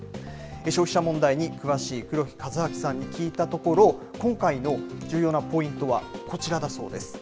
消費者問題に詳しい黒木和彰さんに聞いたところ、今回の重要なポイントはこちらだそうです。